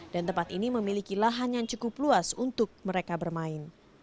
dan tempat ini memiliki lahan yang cukup luas untuk mereka bermain